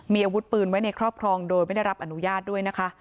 มีอาวุธปืนไว้ในครอบครองโดยไม่ได้รับอนุญาตด้วยนะคะ